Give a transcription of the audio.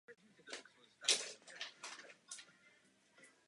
Pákistán má proto ještě stále otevřené dveře k demokracii.